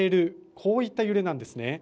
こういった揺れなんですね。